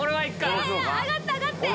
上がって上がって！